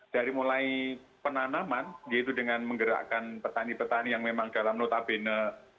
dari mulai penanaman yaitu dengan menggerakkan petani petani yang memang dalam notabene